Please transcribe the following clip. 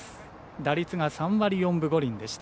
打率が３割４分５厘でした。